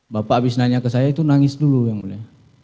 bapak habis nanya ke saya itu nangis dulu yang mulia